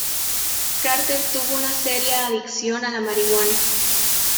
Carter tuvo una seria adicción a la marihuana.